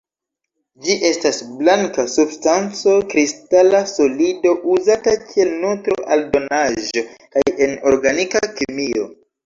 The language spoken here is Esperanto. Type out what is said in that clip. Ĝi estas blanka substanco, kristala solido, uzata kiel nutro-aldonaĵo kaj en organika kemio.